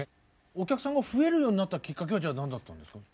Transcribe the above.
お客さんが増えるようになったきっかけはじゃあ何だったんですか？